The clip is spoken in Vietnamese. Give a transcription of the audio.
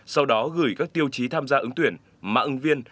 sau đó gửi các tiêu chí tham gia ứng tuyển mạng ứng viên